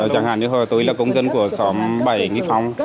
chẳng hạn như tôi là công dân của xóm bảy nghi phong